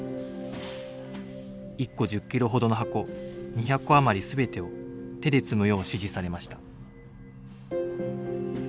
１個１０キロほどの箱２００個余り全てを手で積むよう指示されました。